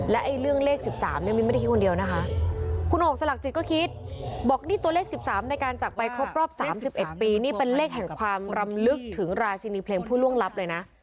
และเรื่องเลข๑๓เนี่ยมินไม่ได้คิดคนเดียวนะคะคุณโอ่งสลักจิตก็คิดบอกนี่ตัวเลข๑๓ในการจักรไปครบรอบ๓๑ปีนี่เป็นเลขแห่งความรำลึกถึงราชินีเพลงผู้ล่วงลับเลยนะ